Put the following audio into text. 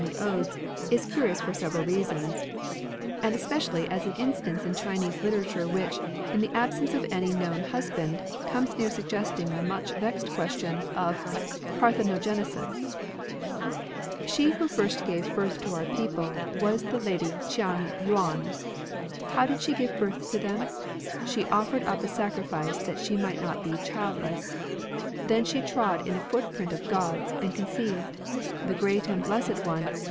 ^^ the Odes, is curious for several reasons, and especially as an instance 21 RELIGIONS OF ANCIENT CHINA in Chinese literature which, in the absence of any known husband, comes near suggesting the much vexed question of parthenogenesis :— She who first gave birth to our people Was the lady Chiang Yiian. How did she give birth to them 7 She offered up a sacrifice That she might not be childless; Then she trod in a footprint of God's, and conceived. The great and blessed one.